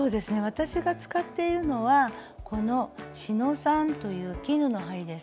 私が使っているのはこの「四ノ三」という絹の針です。